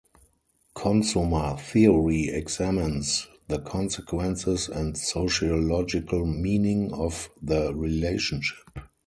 Consumer theory examines the consequences and sociological meaning of the relationship.